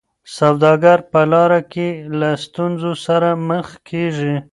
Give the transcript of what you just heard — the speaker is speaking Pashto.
سوداګر په لاره کي له ستونزو سره مخ کیږي.